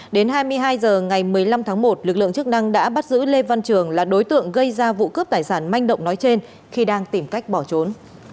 đến hai mươi hai h ngày một mươi năm tháng một lực lượng chức năng đã bắt giữ lê văn trường là đối tượng gây ra vụ cướp tài sản manh động nói trên khi đang tìm cách bỏ trốn